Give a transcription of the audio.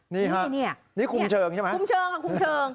นี่ค่ะนี่คุมเชิงใช่ไหมคุมเชิงค่ะคุมเชิง